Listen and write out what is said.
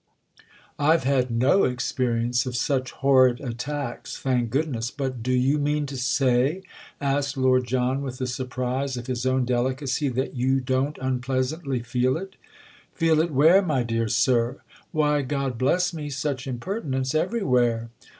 "I've had no experience of such horrid attacks, thank goodness; but do you mean to say," asked Lord John with the surprise of his own delicacy, "that you don't unpleasantly feel it?" "Feel it where, my dear sir?" "Why, God bless me, such impertinence, everywhere!"